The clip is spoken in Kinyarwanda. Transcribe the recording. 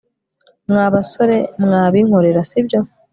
Mwa basore mwabinkorera sibyo